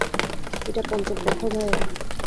এটা পঞ্চম কক্ষ, ভাইয়েরা।